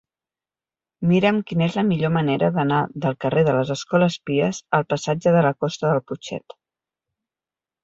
Mira'm quina és la millor manera d'anar del carrer de les Escoles Pies al passatge de la Costa del Putxet.